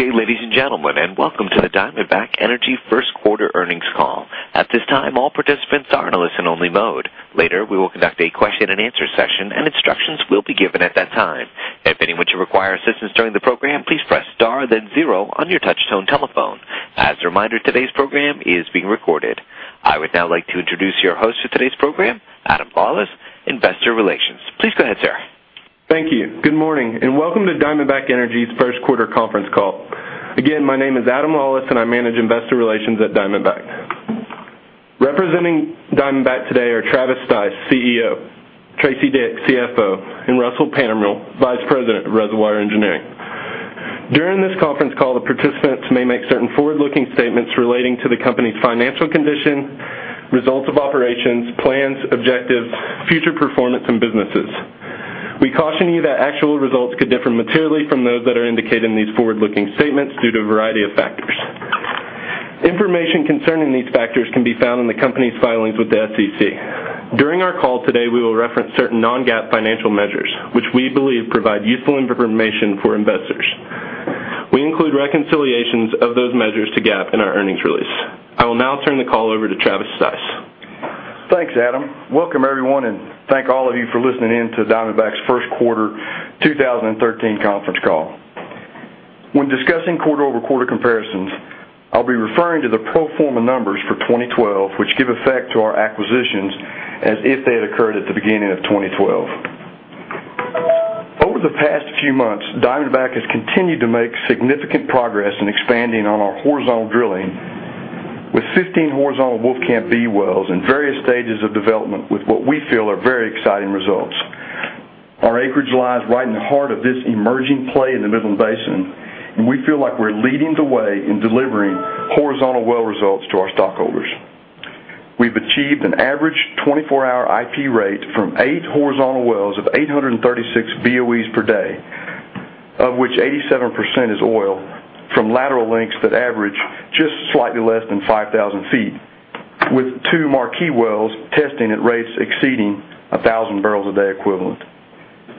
Good day, ladies and gentlemen. Welcome to the Diamondback Energy first quarter earnings call. At this time, all participants are in a listen only mode. Later, we will conduct a question and answer session and instructions will be given at that time. If anyone should require assistance during the program, please press star then zero on your touch tone telephone. As a reminder, today's program is being recorded. I would now like to introduce your host for today's program, Adam Lawlis, Investor Relations. Please go ahead, sir. Thank you. Good morning. Welcome to Diamondback Energy's first quarter conference call. Again, my name is Adam Lawlis, and I manage investor relations at Diamondback. Representing Diamondback today are Travis Stice, CEO; Teresa Dick, CFO; and Russell Pantermuehl, Vice President of Reservoir Engineering. During this conference call, the participants may make certain forward-looking statements relating to the company's financial condition, results of operations, plans, objectives, future performance, and businesses. We caution you that actual results could differ materially from those that are indicated in these forward-looking statements due to a variety of factors. Information concerning these factors can be found in the company's filings with the SEC. During our call today, we will reference certain non-GAAP financial measures, which we believe provide useful information for investors. We include reconciliations of those measures to GAAP in our earnings release. I will now turn the call over to Travis Stice. Thanks, Adam. Welcome, everyone. Thank all of you for listening in to Diamondback's first quarter 2013 conference call. When discussing quarter-over-quarter comparisons, I'll be referring to the pro forma numbers for 2012, which give effect to our acquisitions as if they had occurred at the beginning of 2012. Over the past few months, Diamondback has continued to make significant progress in expanding on our horizontal drilling with 15 horizontal Wolfcamp B wells in various stages of development with what we feel are very exciting results. Our acreage lies right in the heart of this emerging play in the Midland Basin. We feel like we're leading the way in delivering horizontal well results to our stockholders. We've achieved an average 24-hour IP rate from eight horizontal wells of 836 BOEs per day, of which 87% is oil from lateral lengths that average just slightly less than 5,000 feet, with two marquee wells testing at rates exceeding 1,000 barrels a day equivalent.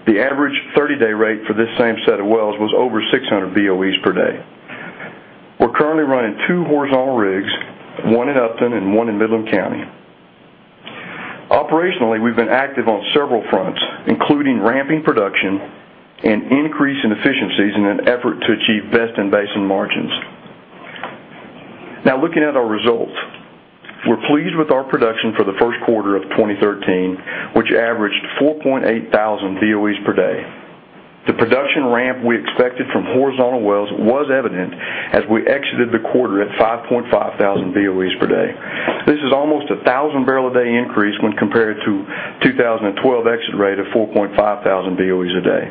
The average 30-day rate for this same set of wells was over 600 BOEs per day. We're currently running two horizontal rigs, one in Upton and one in Midland County. Operationally, we've been active on several fronts, including ramping production and increase in efficiencies in an effort to achieve best in basin margins. Now looking at our results. We're pleased with our production for the first quarter of 2013, which averaged 4,800 BOEs per day. The production ramp we expected from horizontal wells was evident as we exited the quarter at 5,500 BOEs per day. This is almost 1,000 barrel a day increase when compared to 2012 exit rate of 4,500 BOEs a day.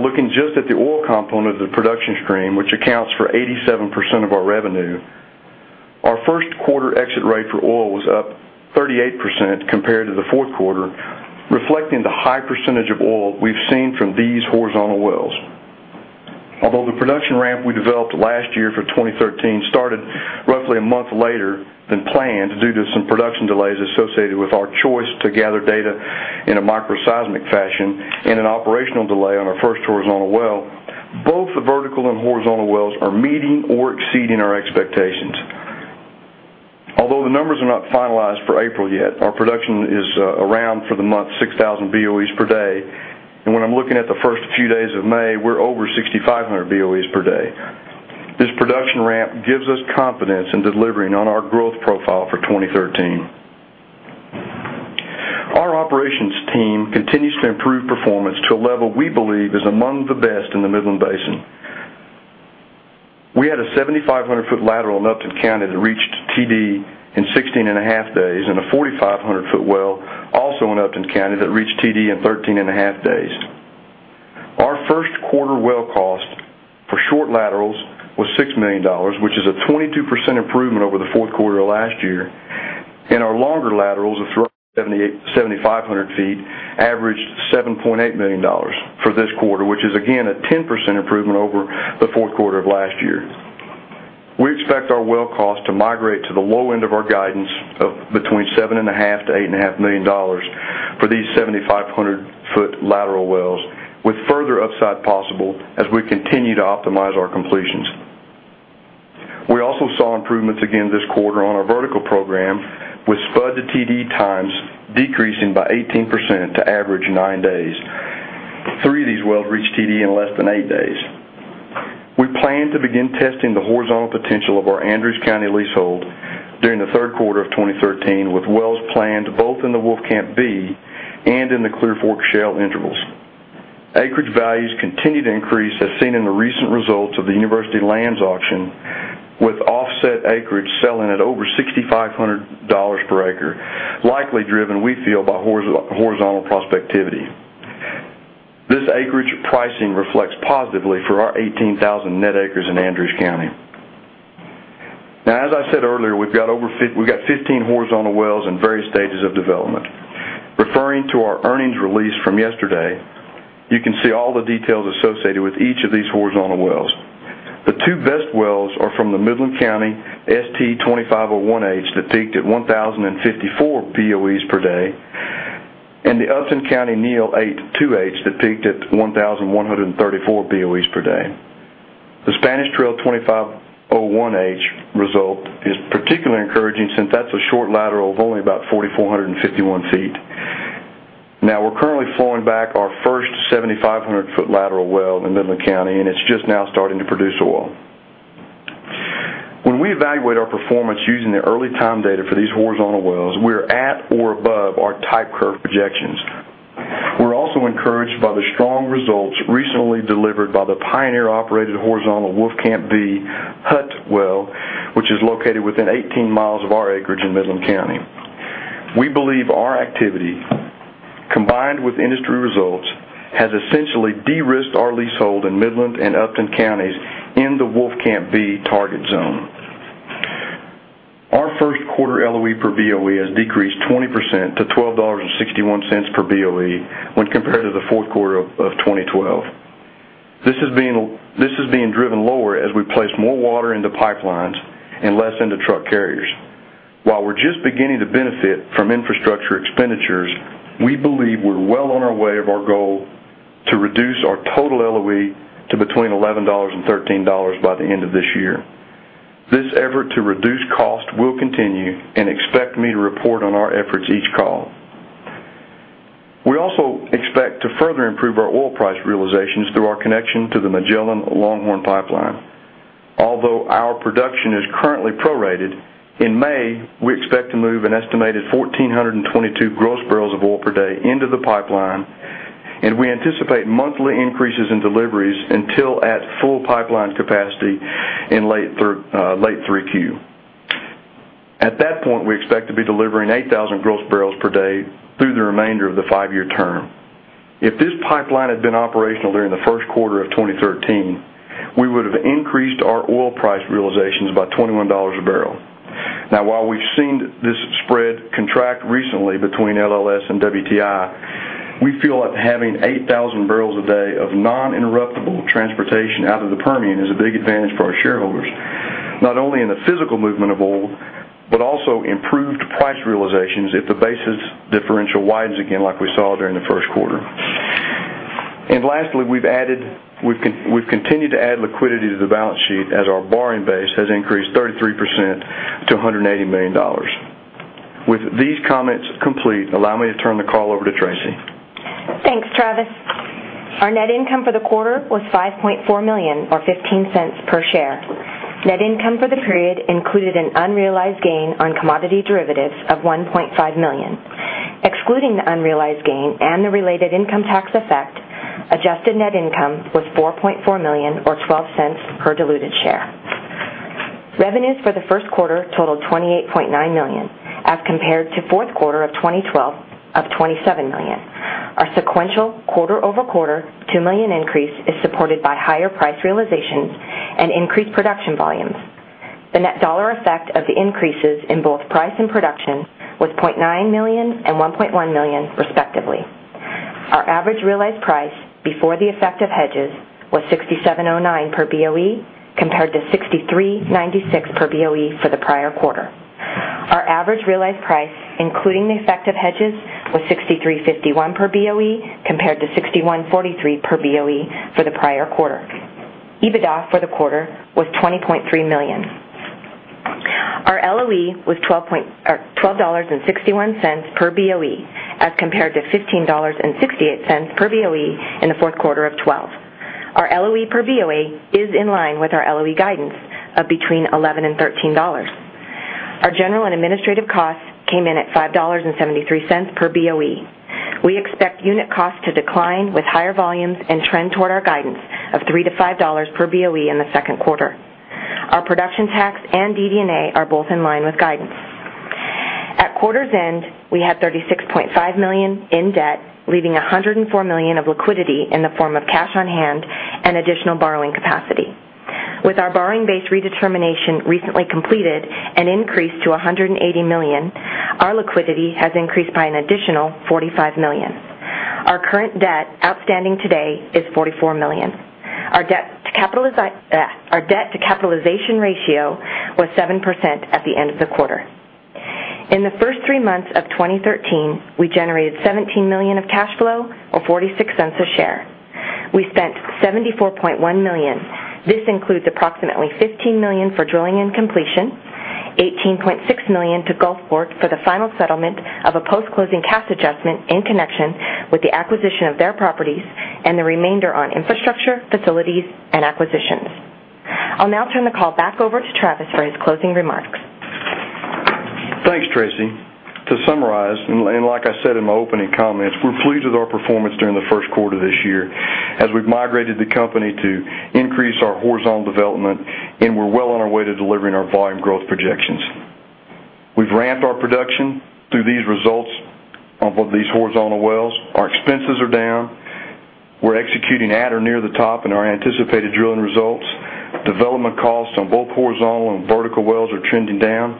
Looking just at the oil component of the production stream, which accounts for 87% of our revenue, our first quarter exit rate for oil was up 38% compared to the fourth quarter, reflecting the high percentage of oil we've seen from these horizontal wells. Although the production ramp we developed last year for 2013 started roughly a month later than planned due to some production delays associated with our choice to gather data in a microseismic fashion and an operational delay on our first horizontal well, both the vertical and horizontal wells are meeting or exceeding our expectations. Although the numbers are not finalized for April yet, our production is around for the month 6,000 BOEs per day. When I'm looking at the first few days of May, we're over 6,500 BOEs per day. This production ramp gives us confidence in delivering on our growth profile for 2013. Our operations team continues to improve performance to a level we believe is among the best in the Midland Basin. We had a 7,500-foot lateral in Upton County that reached TD in 16 and a half days and a 4,500-foot well, also in Upton County, that reached TD in 13 and a half days. Our first quarter well cost for short laterals was $6 million, which is a 22% improvement over the fourth quarter of last year. Our longer laterals of 7,500 feet averaged $7.8 million for this quarter, which is again a 10% improvement over the fourth quarter of last year. We expect our well cost to migrate to the low end of our guidance of between seven and a half to eight and a half million dollars for these 7,500-foot lateral wells, with further upside possible as we continue to optimize our completions. We also saw improvements again this quarter on our vertical program with spud to TD times decreasing by 18% to average nine days. Three of these wells reached TD in less than eight days. We plan to begin testing the horizontal potential of our Andrews County leasehold during the third quarter of 2013, with wells planned both in the Wolfcamp B and in the Clear Fork Shale intervals. Acreage values continue to increase as seen in the recent results of the University Lands Auction, with offset acreage selling at over $6,500 per acre, likely driven, we feel, by horizontal prospectivity. This acreage pricing reflects positively for our 18,000 net acres in Andrews County. As I said earlier, we've got 15 horizontal wells in various stages of development. Referring to our earnings release from yesterday, you can see all the details associated with each of these horizontal wells. The two best wells are from the Midland County ST 2501H that peaked at 1,054 BOEs per day. The Upton County Neal H2H that peaked at 1,134 BOEs per day. The Spanish Trail 2501H result is particularly encouraging since that's a short lateral of only about 4,451 feet. We're currently falling back our first 7,500-foot lateral well in Midland County, and it's just now starting to produce oil. When we evaluate our performance using the early time data for these horizontal wells, we're at or above our type curve projections. We're also encouraged by the strong results recently delivered by the Pioneer-operated horizontal Wolfcamp B Hutt well, which is located within 18 miles of our acreage in Midland County. We believe our activity, combined with industry results, has essentially de-risked our leasehold in Midland and Upton counties in the Wolfcamp B target zone. Our first quarter LOE per BOE has decreased 20% to $12.61 per BOE when compared to the fourth quarter of 2012. This is being driven lower as we place more water into pipelines and less into truck carriers. While we're just beginning to benefit from infrastructure expenditures, we believe we're well on our way of our goal to reduce our total LOE to between $11 and $13 by the end of this year. This effort to reduce cost will continue, and expect me to report on our efforts each call. We also expect to further improve our oil price realizations through our connection to the Magellan Longhorn pipeline. Although our production is currently prorated, in May, we expect to move an estimated 1,422 gross barrels of oil per day into the pipeline, and we anticipate monthly increases in deliveries until at full pipeline capacity in late 3Q. At that point, we expect to be delivering 8,000 gross barrels per day through the remainder of the five-year term. If this pipeline had been operational during the first quarter of 2013, we would have increased our oil price realizations by $21 a barrel. While we've seen this spread contract recently between LLS and WTI, we feel that having 8,000 barrels a day of non-interruptible transportation out of the Permian is a big advantage for our shareholders, not only in the physical movement of oil, but also improved price realizations if the basis differential widens again like we saw during the first quarter. Lastly, we've continued to add liquidity to the balance sheet as our borrowing base has increased 33% to $180 million. With these comments complete, allow me to turn the call over to Tracy. Thanks, Travis. Our net income for the quarter was $5.4 million or $0.15 per share. Net income for the period included an unrealized gain on commodity derivatives of $1.5 million. Excluding the unrealized gain and the related income tax effect, adjusted net income was $4.4 million or $0.12 per diluted share. Revenues for the first quarter totaled $28.9 million as compared to fourth quarter of 2012 of $27 million. Our sequential quarter-over-quarter $2 million increase is supported by higher price realizations and increased production volumes. The net dollar effect of the increases in both price and production was $0.9 million and $1.1 million, respectively. Our average realized price before the effect of hedges was $67.09 per BOE, compared to $63.96 per BOE for the prior quarter. Our average realized price, including the effect of hedges, was $63.51 per BOE compared to $61.43 per BOE for the prior quarter. EBITDA for the quarter was $20.3 million. Our LOE was $12.61 per BOE as compared to $15.68 per BOE in the fourth quarter of 2012. Our LOE per BOE is in line with our LOE guidance of between $11 and $13. Our general and administrative costs came in at $5.73 per BOE. We expect unit costs to decline with higher volumes and trend toward our guidance of $3 to $5 per BOE in the second quarter. Our production tax and DD&A are both in line with guidance. At quarter's end, we had $36.5 million in debt, leaving $104 million of liquidity in the form of cash on hand and additional borrowing capacity. With our borrowing base redetermination recently completed and increased to $180 million, our liquidity has increased by an additional $45 million. Our current debt outstanding today is $44 million. Our debt-to-capitalization ratio was 7% at the end of the quarter. In the first three months of 2013, we generated $17 million of cash flow or $0.46 a share. We spent $74.1 million. This includes approximately $15 million for drilling and completion, $18.6 million to Gulfport for the final settlement of a post-closing cash adjustment in connection with the acquisition of their properties and the remainder on infrastructure, facilities, and acquisitions. I'll now turn the call back over to Travis for his closing remarks. Thanks, Tracy. To summarize, like I said in my opening comments, we're pleased with our performance during the first quarter of this year as we've migrated the company to increase our horizontal development, we're well on our way to delivering our volume growth projections. We've ramped our production through these results of these horizontal wells. Our expenses are down. We're executing at or near the top in our anticipated drilling results. Development costs on both horizontal and vertical wells are trending down,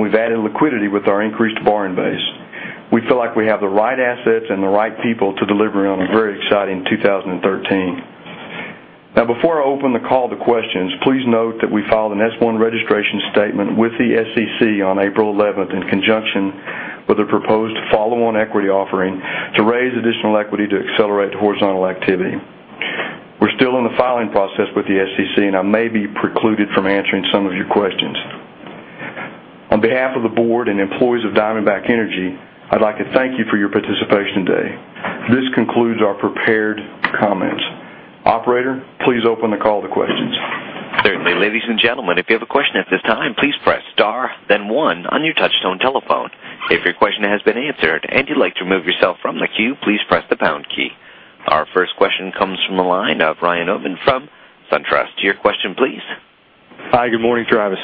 we've added liquidity with our increased borrowing base. We feel like we have the right assets and the right people to deliver on a very exciting 2013. Before I open the call to questions, please note that we filed an S-1 registration statement with the SEC on April 11th in conjunction with a proposed follow-on equity offering to raise additional equity to accelerate horizontal activity. We're still in the filing process with the SEC, I may be precluded from answering some of your questions. On behalf of the board and employees of Diamondback Energy, I'd like to thank you for your participation today. This concludes our prepared comments. Operator, please open the call to questions. Certainly. Ladies and gentlemen, if you have a question at this time, please press star then one on your touch tone telephone. If your question has been answered and you'd like to remove yourself from the queue, please press the pound key. Our first question comes from the line of Ryan O'Dwyer from SunTrust. To your question, please. Hi, good morning, Travis.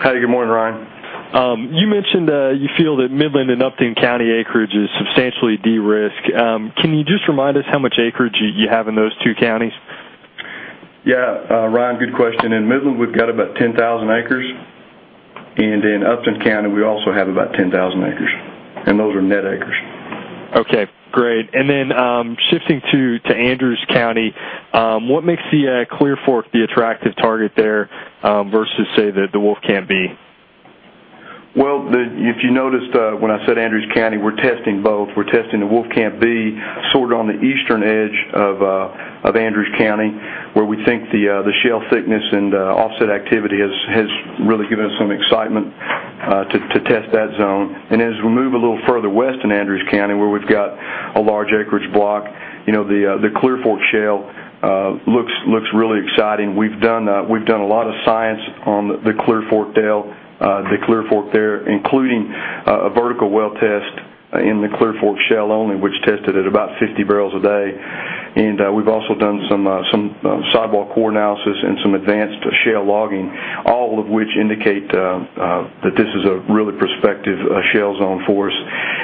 Hi, good morning, Ryan. You mentioned you feel that Midland and Upton County acreage is substantially de-risk. Can you just remind us how much acreage you have in those two counties? Yeah, Ryan, good question. In Midland, we've got about 10,000 acres, in Upton County, we also have about 10,000 acres. Those are net acres. Okay, great. Then, shifting to Andrews County, what makes the Clear Fork the attractive target there, versus, say, the Wolfcamp B? Well, if you noticed when I said Andrews County, we're testing both. We're testing the Wolfcamp B sort of on the eastern edge of Andrews County, where we think the shale thickness and the offset activity has really given us some excitement to test that zone. As we move a little further west in Andrews County, where we've got a large acreage block, the Clear Fork Shale looks really exciting. We've done a lot of science on the Clear Fork there, including a vertical well test in the Clear Fork Shale only, which tested at about 50 barrels a day. We've also done some sidewall core analysis and some advanced shale logging, all of which indicate that this is a really prospective shale zone for us.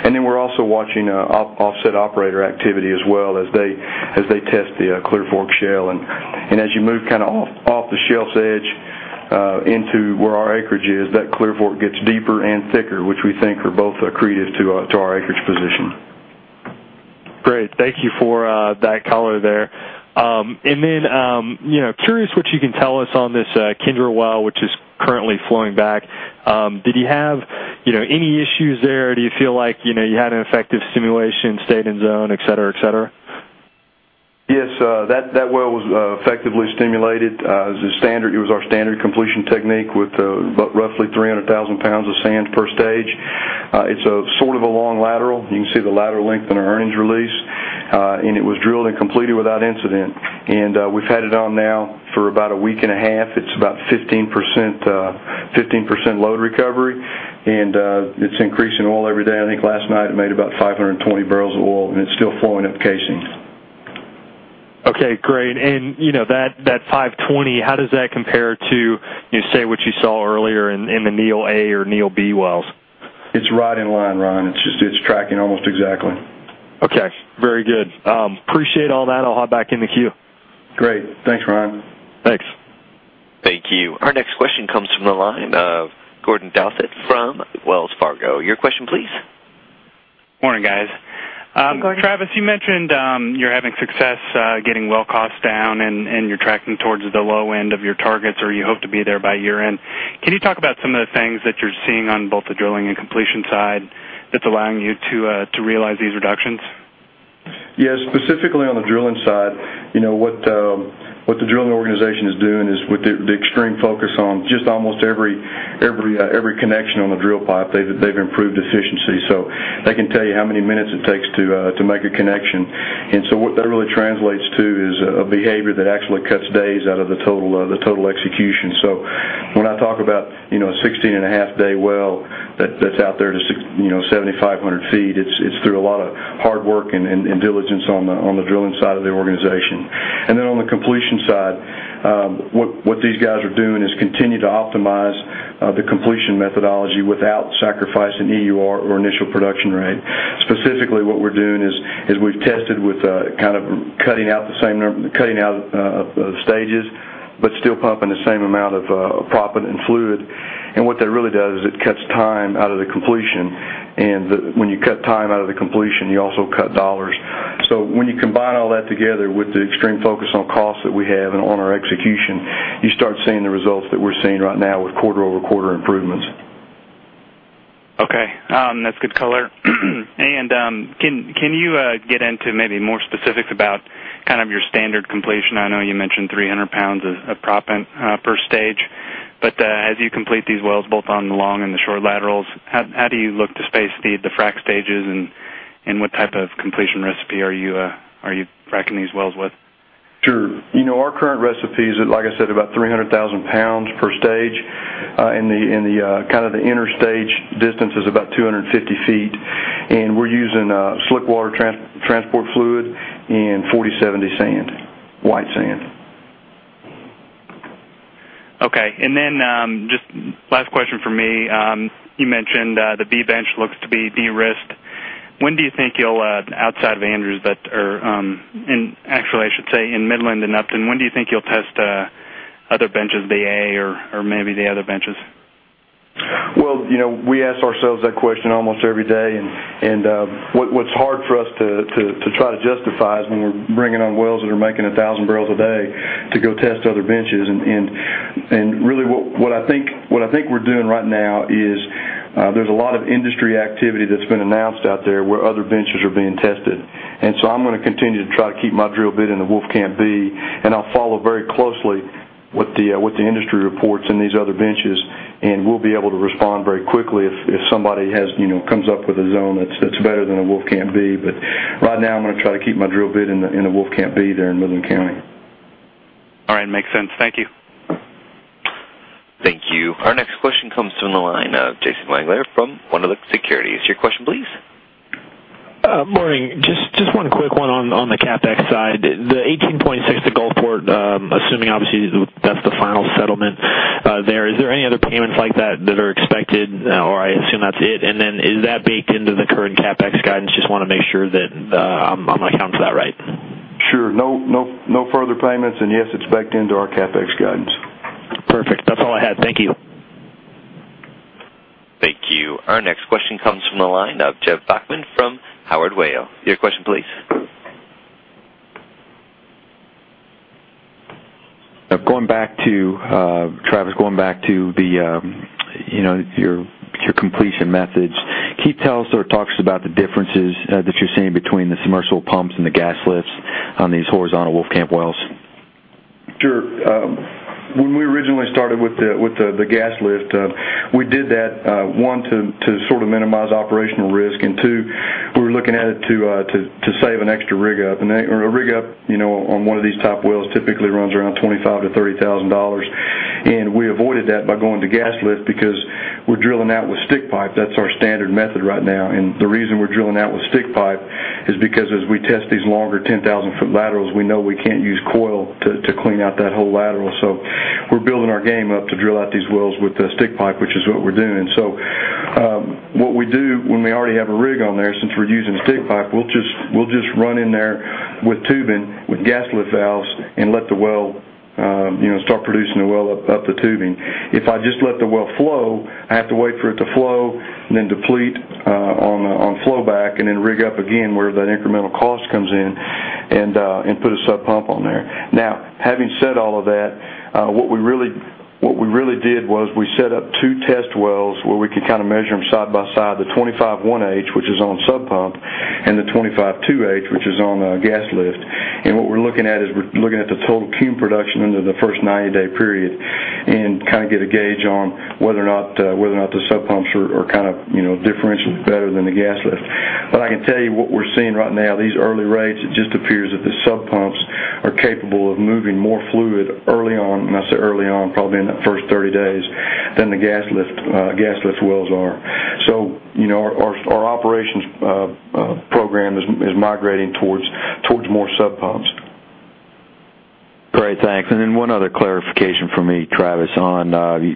Then we're also watching offset operator activity as well as they test the Clear Fork Shale. As you move off the shale's edge, into where our acreage is, that Clear Fork gets deeper and thicker, which we think are both accretive to our acreage position. Great. Thank you for that color there. Then, curious what you can tell us on this Kinder well, which is currently flowing back. Did you have any issues there? Do you feel like you had an effective stimulation, stayed in zone, et cetera? Yes, that well was effectively stimulated. It was our standard completion technique with roughly 300,000 pounds of sand per stage. It's a sort of a long lateral. You can see the lateral length in our earnings release. It was drilled and completed without incident. We've had it on now for about a week and a half. It's about 15% load recovery, and it's increasing oil every day. I think last night it made about 520 barrels of oil, and it's still flowing up casings. Okay, great. That 520, how does that compare to, say, what you saw earlier in the Neal A or Neal B wells? It's right in line, Ryan. It's tracking almost exactly. Okay. Very good. Appreciate all that. I'll hop back in the queue. Great. Thanks, Ryan. Thanks. Thank you. Our next question comes from the line of Gordon Douthat from Wells Fargo. Your question please. Morning, guys. Hey, Gordon. Travis, you mentioned you're having success getting well costs down. You're tracking towards the low end of your targets, or you hope to be there by year-end. Can you talk about some of the things that you're seeing on both the drilling and completion side that's allowing you to realize these reductions? Specifically on the drilling side, what the drilling organization is doing is with the extreme focus on just almost every connection on the drill pipe, they've improved efficiency. They can tell you how many minutes it takes to make a connection. What that really translates to is a behavior that actually cuts days out of the total execution. When I talk about a 16 and a half day well that's out there to 7,500 feet, it's through a lot of hard work and diligence on the drilling side of the organization. On the completion side, what these guys are doing is continue to optimize the completion methodology without sacrificing EUR or initial production rate. Specifically, what we're doing is we've tested with cutting out stages, but still pumping the same amount of proppant and fluid. What that really does is it cuts time out of the completion. When you cut time out of the completion, you also cut dollars. When you combine all that together with the extreme focus on cost that we have and on our execution, you start seeing the results that we're seeing right now with quarter-over-quarter improvements. Okay. That's good color. Can you get into maybe more specifics about your standard completion? I know you mentioned 300,000 lbs of proppant per stage, but as you complete these wells, both on the long and the short laterals, how do you look to space feed the frack stages and what type of completion recipe are you fracking these wells with? Sure. Our current recipe is, like I said, about 300,000 lbs per stage. The inner stage distance is about 250 ft, and we're using slick water transport fluid and 40/70 sand, white sand. Okay. Just last question from me. You mentioned the B bench looks to be de-risked. When do you think you'll, outside of Andrews, actually I should say in Midland and Upton, when do you think you'll test other benches, the A or maybe the other benches? Well, we ask ourselves that question almost every day, and what's hard for us to try to justify is when we're bringing on wells that are making 1,000 barrels a day to go test other benches. Really what I think we're doing right now is there's a lot of industry activity that's been announced out there where other benches are being tested. So I'm going to continue to try to keep my drill bit in the Wolfcamp B, and I'll follow very closely what the industry reports in these other benches, and we'll be able to respond very quickly if somebody comes up with a zone that's better than the Wolfcamp B. Right now, I'm going to try to keep my drill bit in the Wolfcamp B there in Midland County. All right. Makes sense. Thank you. Thank you. Our next question comes from the line of Jason Wangler from OneLink Securities. Your question please. Morning. Just one quick one on the CapEx side. The $18.6 to Gulfport, assuming obviously that's the final settlement there, is there any other payments like that that are expected, or I assume that's it? Then is that baked into the current CapEx guidance? Just want to make sure that I'm accounting for that right. Sure. No further payments, yes, it's baked into our CapEx guidance. Perfect. That's all I had. Thank you. Thank you. Our next question comes from the line of Jeff Bachman from Howard Weil. Your question please. Travis, going back to your completion methods, can you tell us or talk to us about the differences that you're seeing between the submersible pumps and the gas lifts on these horizontal Wolfcamp wells? Sure. When we originally started with the gas lift, we did that, one, to sort of minimize operational risk, and two, we were looking at it to save an extra rig up. A rig up on one of these type wells typically runs around $25,000 to $30,000. We avoided that by going to gas lift because we're drilling out with stick pipe. That's our standard method right now. The reason we're drilling out with stick pipe is because as we test these longer 10,000-foot laterals, we know we can't use coil to clean out that whole lateral. We're building our game up to drill out these wells with the stick pipe, which is what we're doing. What we do when we already have a rig on there, since we're using stick pipe, we'll just run in there with tubing, with gas lift valves, and let the well start producing the well up the tubing. If I just let the well flow, I have to wait for it to flow, then deplete on flow back, and then rig up again where that incremental cost comes in, and put a sub pump on there. Having said all of that, what we really did was we set up two test wells where we could measure them side by side, the 25-1H, which is on sub pump, and the 25-2H, which is on gas lift. What we're looking at is we're looking at the total tune production under the first 90-day period and get a gauge on whether or not the sub pumps are differentially better than the gas lift. I can tell you what we're seeing right now, these early rates, it just appears that the sub pumps are capable of moving more fluid early on, and I say early on, probably in that first 30 days, than the gas lift wells are. Our operations program is migrating towards more sub pumps. Great, thanks. Then one other clarification for me, Travis, you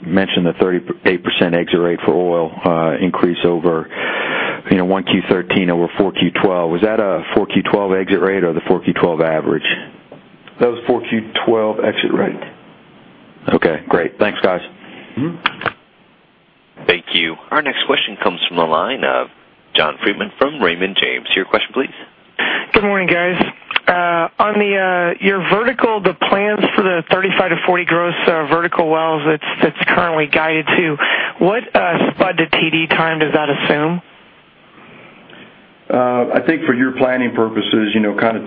mentioned the 38% exit rate for oil increase over 1Q13 over 4Q12. Was that a 4Q12 exit rate or the 4Q12 average? That was 4Q12 exit rate. Okay, great. Thanks, guys. Thank you. Our next question comes from the line of John Freeman from Raymond James. Your question please. Good morning, guys. On your vertical, the plans for the 35-40 gross vertical wells that's currently guided to, what spud to TD time does that assume? I think for your planning purposes,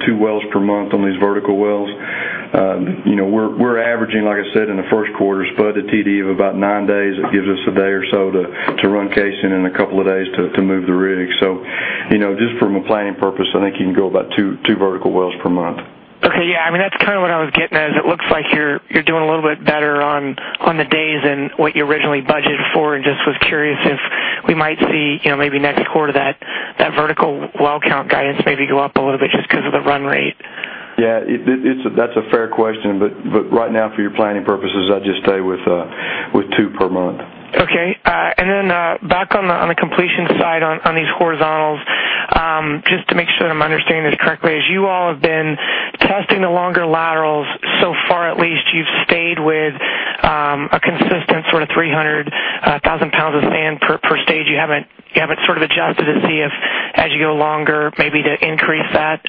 two wells per month on these vertical wells. We're averaging, like I said, in the first quarter, spud to TD of about nine days. It gives us a day or so to run casing and a couple of days to move the rig. Just from a planning purpose, I think you can go about two vertical wells per month. Okay. That's what I was getting at, is it looks like you're doing a little bit better on the days than what you originally budgeted for and just was curious if we might see maybe next quarter that vertical well count guidance maybe go up a little bit just because of the run rate. That's a fair question, but right now for your planning purposes, I'd just stay with two per month. Okay. Back on the completion side on these horizontals, just to make sure that I'm understanding this correctly, as you all have been testing the longer laterals, so far at least, you've stayed with a consistent 300,000 pounds of sand per stage. You haven't adjusted to see if, as you go longer, maybe to increase that?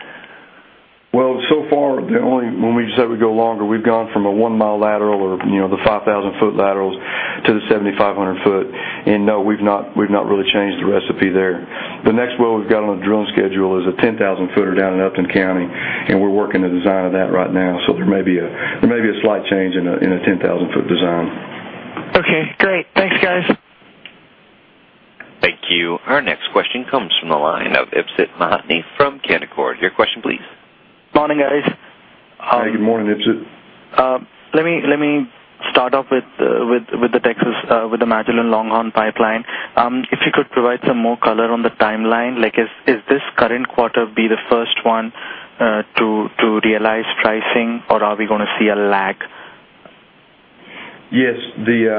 Well, so far, when we decided we'd go longer, we've gone from a one-mile lateral or the 5,000-foot laterals to the 7,500 foot, and no, we've not really changed the recipe there. The next well we've got on the drilling schedule is a 10,000 footer down in Upton County, and we're working the design of that right now. There may be a slight change in a 10,000-foot design. Okay, great. Thanks, guys. Thank you. Our next question comes from the line of Ipsit Mohanty from Canaccord. Your question please. Morning, guys. Good morning, Ipsit. Let me start off with the Texas, with the Magellan Longhorn pipeline. If you could provide some more color on the timeline, is this current quarter be the first one to realize pricing, or are we going to see a lag? Yes. The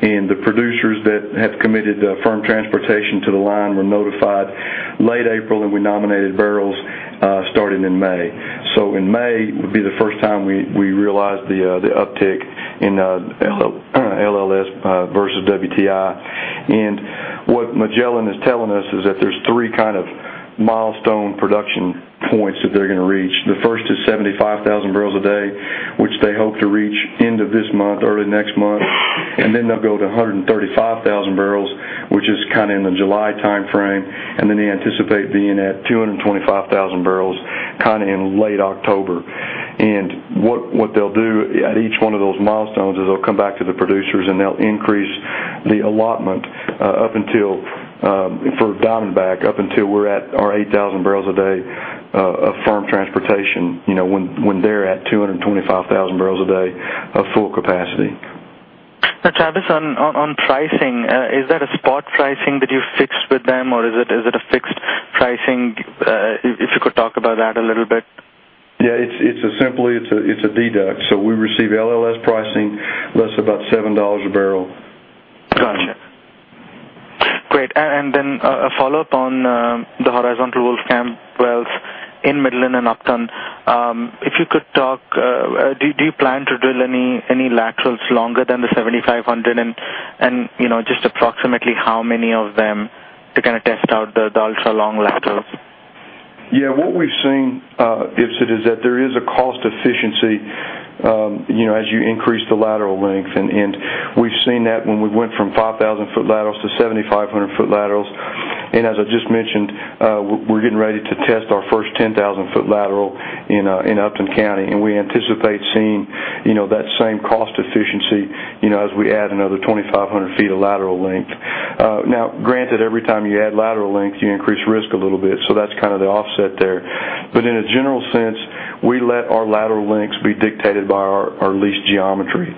producers that have committed firm transportation to the line were notified late April, and we nominated barrels starting in May. In May would be the first time we realized the uptick in LLS versus WTI. What Magellan is telling us is that there's three kind of milestone production points that they're going to reach. The first is 75,000 barrels a day, which they hope to reach end of this month, early next month. Then they'll go to 135,000 barrels, which is in the July timeframe. Then they anticipate being at 225,000 barrels in late October. What they'll do at each one of those milestones is they'll come back to the producers, and they'll increase the allotment up until, for Diamondback, up until we're at our 8,000 barrels a day of firm transportation when they're at 225,000 barrels a day of full capacity. Now, Travis, on pricing, is that a spot pricing that you fixed with them, or is it a fixed pricing? If you could talk about that a little bit. It's a deduct. We receive LLS pricing, less about $7 a barrel. Got you. Great. Then a follow-up on the horizontal Wolfcamp wells in Midland and Upton. If you could talk, do you plan to drill any laterals longer than the 7,500, and just approximately how many of them to test out the ultra-long laterals? Yeah. What we've seen, Ipsit, is that there is a cost efficiency as you increase the lateral length. We've seen that when we went from 5,000-foot laterals to 7,500-foot laterals. As I just mentioned, we're getting ready to test our first 10,000-foot lateral in Upton County, we anticipate seeing that same cost efficiency as we add another 2,500 feet of lateral length. Granted, every time you add lateral length, you increase risk a little bit. That's the offset there. In a general sense, we let our lateral lengths be dictated by our lease geometry.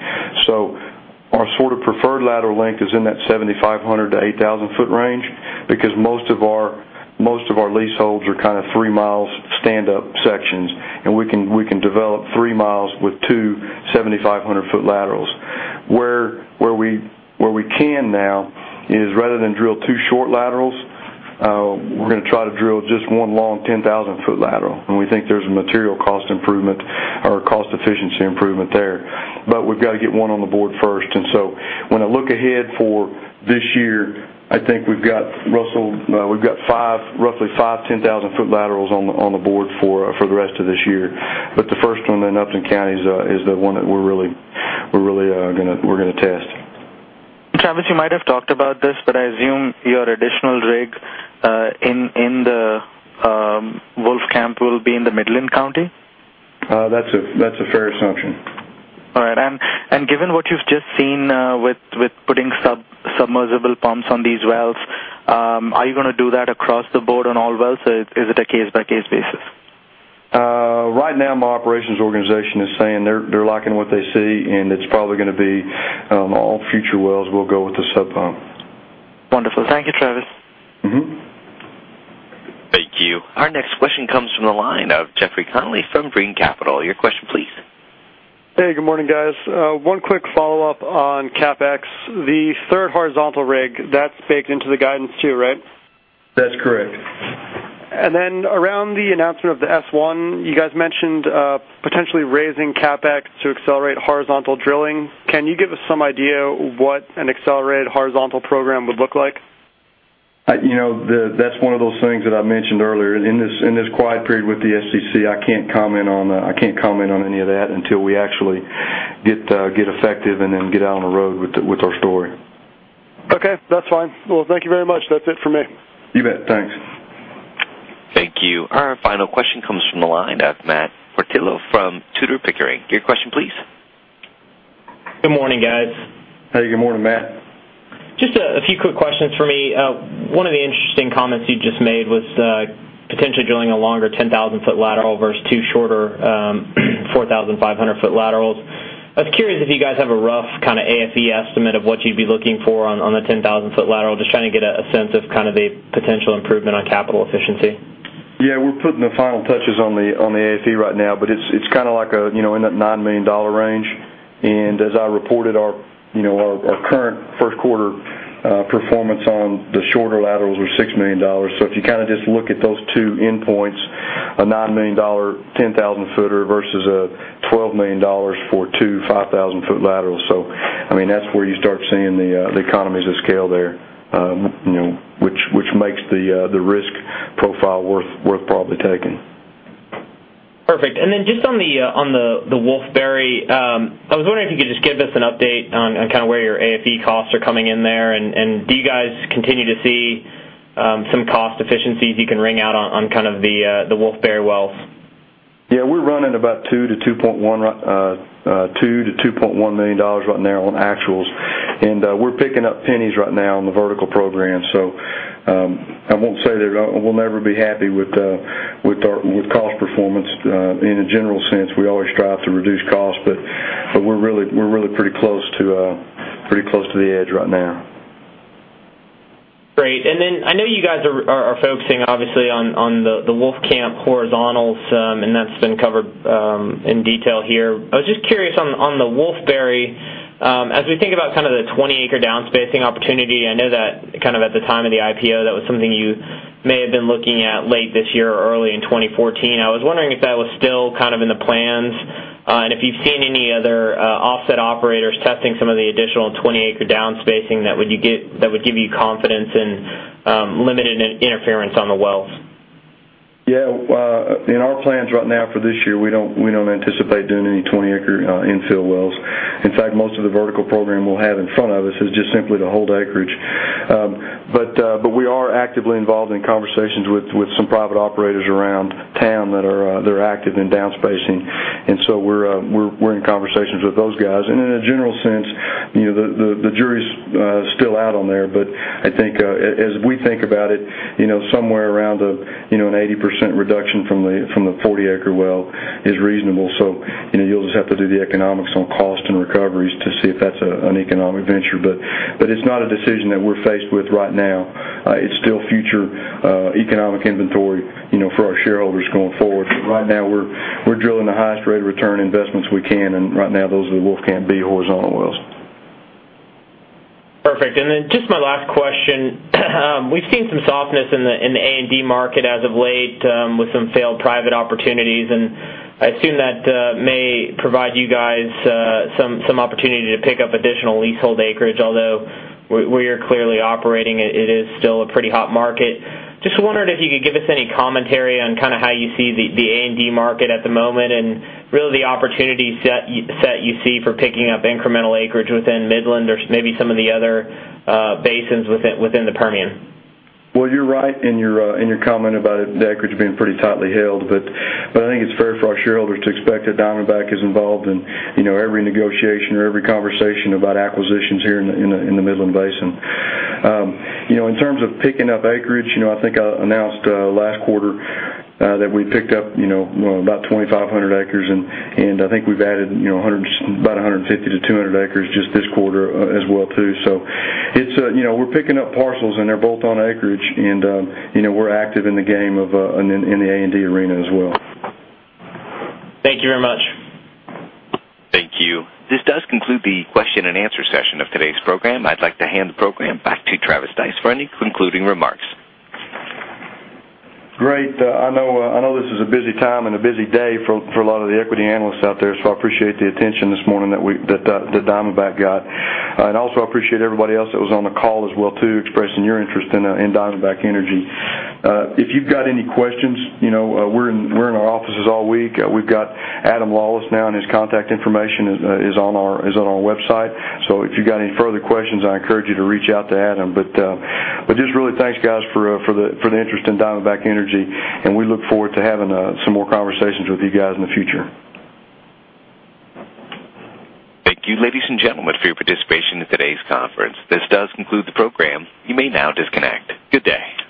Our preferred lateral length is in that 7,500 to 8,000 foot range because most of our leaseholds are three miles stand-up sections, and we can develop three miles with two 7,500-foot laterals. Where we can now is rather than drill two short laterals, we're going to try to drill just one long 10,000 foot lateral, we think there's a material cost improvement or cost efficiency improvement there. We've got to get one on the board first. When I look ahead for this year, I think we've got roughly five 10,000 foot laterals on the board for the rest of this year. The first one in Upton County is the one that we're going to test. Travis, you might have talked about this, I assume your additional rig in the Wolfcamp will be in the Midland County? That's a fair assumption. All right. Given what you've just seen with putting submersible pumps on these wells, are you going to do that across the board on all wells, or is it a case-by-case basis? Right now, my operations organization is saying they're liking what they see, it's probably going to be all future wells will go with the sub pump. Wonderful. Thank you, Travis. Thank you. Our next question comes from the line of Jeffrey Connelly from Green Capital. Your question, please. Hey, good morning, guys. One quick follow-up on CapEx. The third horizontal rig, that's baked into the guidance too, right? That's correct. Around the announcement of the S-1, you guys mentioned potentially raising CapEx to accelerate horizontal drilling. Can you give us some idea what an accelerated horizontal program would look like? That's one of those things that I mentioned earlier. In this quiet period with the SEC, I can't comment on any of that until we actually get effective and then get out on the road with our story. Okay, that's fine. Well, thank you very much. That's it for me. You bet. Thanks. Thank you. Our final question comes from the line of Matt Portillo from Tudor, Pickering. Your question, please. Good morning, guys. Hey, good morning, Matt. Just a few quick questions for me. One of the interesting comments you just made was potentially drilling a longer 10,000 foot lateral versus two shorter 4,500 foot laterals. I was curious if you guys have a rough kind of AFE estimate of what you'd be looking for on the 10,000 foot lateral, just trying to get a sense of the potential improvement on capital efficiency. Yeah, we're putting the final touches on the AFE right now, but it's like in that $9 million range. As I reported, our current first quarter performance on the shorter laterals was $6 million. If you just look at those two endpoints, a $9 million 10,000 footer versus a $12 million for two 5,000 foot laterals. That's where you start seeing the economies of scale there, which makes the risk profile worth probably taking. Perfect. Just on the Wolfberry, I was wondering if you could just give us an update on where your AFE costs are coming in there, and do you guys continue to see some cost efficiencies you can wring out on the Wolfberry wells? Yeah, we're running about $2 to $2.1 million right now on actuals. We're picking up pennies right now on the vertical program. I won't say that we'll never be happy with cost performance. In a general sense, we always strive to reduce costs, but we're really pretty close to the edge right now. Great. I know you guys are focusing obviously on the Wolfcamp horizontals, and that's been covered in detail here. I was just curious on the Wolfberry, as we think about the 20 acre downspacing opportunity, I know that at the time of the IPO, that was something you may have been looking at late this year or early in 2014. I was wondering if that was still in the plans, and if you've seen any other offset operators testing some of the additional 20 acre downspacing that would give you confidence in limited interference on the wells. Yeah. In our plans right now for this year, we don't anticipate doing any 20 acre infill wells. In fact, most of the vertical program we'll have in front of us is just simply to hold acreage. We are actively involved in conversations with some private operators around town that are active in downspacing, so we're in conversations with those guys. In a general sense, the jury's still out on there. I think as we think about it, somewhere around an 80% reduction from the 40 acre well is reasonable. You'll just have to do the economics on cost and recoveries to see if that's an economic venture. It's not a decision that we're faced with right now. It's still future economic inventory for our shareholders going forward. Right now, we're drilling the highest rate of return investments we can, and right now those are the Wolfcamp B horizontal wells. Perfect. Then just my last question, we've seen some softness in the A&D market as of late with some failed private opportunities, I assume that may provide you guys some opportunity to pick up additional leasehold acreage, although where you're clearly operating, it is still a pretty hot market. Just wondering if you could give us any commentary on how you see the A&D market at the moment and really the opportunity set you see for picking up incremental acreage within Midland or maybe some of the other basins within the Permian. Well, you're right in your comment about the acreage being pretty tightly held, I think it's fair for our shareholders to expect that Diamondback is involved in every negotiation or every conversation about acquisitions here in the Midland Basin. In terms of picking up acreage, I think I announced last quarter that we picked up about 2,500 acres, I think we've added about 150 to 200 acres just this quarter as well too. We're picking up parcels, they're both on acreage, and we're active in the game of in the A&D arena as well. Thank you very much. Thank you. This does conclude the question and answer session of today's program. I'd like to hand the program back to Travis Stice for any concluding remarks. Great. I know this is a busy time and a busy day for a lot of the equity analysts out there, so I appreciate the attention this morning that Diamondback got. Also I appreciate everybody else that was on the call as well too, expressing your interest in Diamondback Energy. If you've got any questions, we're in our offices all week. We've got Adam Lawlis now, and his contact information is on our website. If you've got any further questions, I encourage you to reach out to Adam. Just really thanks guys for the interest in Diamondback Energy, we look forward to having some more conversations with you guys in the future. Thank you, ladies and gentlemen, for your participation in today's conference. This does conclude the program. You may now disconnect. Good day.